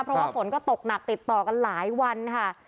เพราะว่าฝนก็ตกหนักติดต่อกันหลายวันค่ะ